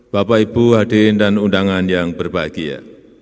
bapak ibu hadirin dan undangan yang berbahagia